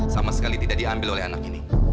sama sekali tidak diambil oleh anak ini